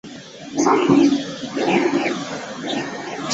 葛城二十八宿修验道之根本道场。